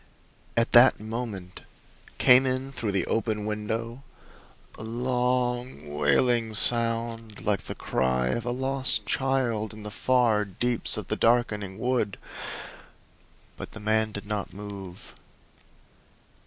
At that moment came in through the open window a long, wailing sound like the cry of a lost child in the far deeps of the darkening wood! But the man did not move.